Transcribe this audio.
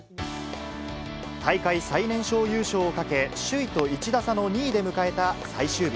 大会最年少優勝をかけ、首位と１打差の２位で迎えた最終日。